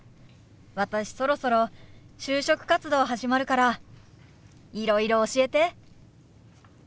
私そろそろ就職活動始まるからいろいろ教えて。